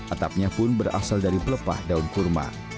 atapnya pun berasal dari pelepah daun kurma